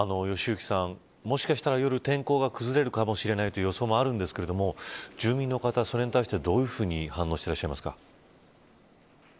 良幸さん、もしかしたら夜、天候が崩れるかもしれないという予想もあるんですが住民の方は、それに対してどういうふうに反応していらっしゃいますか。